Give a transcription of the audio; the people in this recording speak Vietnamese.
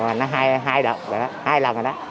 hai lần rồi đó